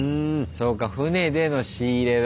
そうか船での仕入れだ。